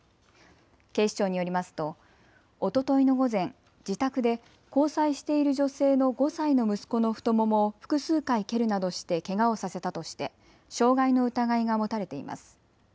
警視庁によりますとおとといの午前、自宅で交際している女性の５歳の息子の太ももを複数回蹴るなどしてけがをさせたとして傷害の疑いが持たれています。